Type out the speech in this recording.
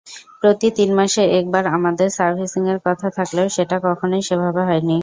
প্রতি তিন মাসে একবার আমাদের সার্ভিসিংয়ের কথা থাকলেও সেটা কখনোই সেভাবে হয়নি।